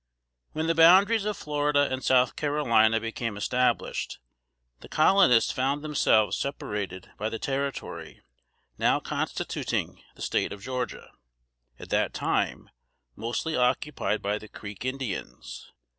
When the boundaries of Florida and South Carolina became established, the Colonists found themselves separated by the territory now constituting, the State of Georgia, at that time mostly occupied by the Creek Indians.